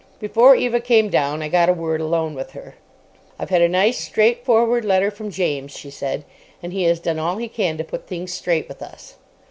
Before Eva came down I got a word alone with her. "I've had a nice, straight forward letter from James," she said, "and he has done all he can to put things straight with us."